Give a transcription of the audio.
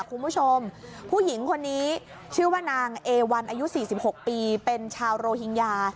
คุณผู้ชมผู้หญิงคนนี้ชื่อว่านางเอวันอายุ๔๖ปีเป็นชาวโรฮิงญา